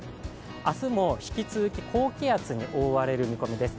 明日も引き続き、高気圧に覆われる見込みです。